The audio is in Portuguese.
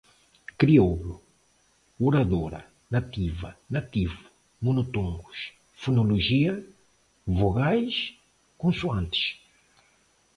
Crioulo, oradora, nativa, nativo, monotongos, fonologia, vogais, consoantes